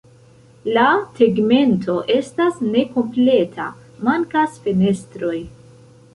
La tegmento estas nekompleta, mankas fenestroj.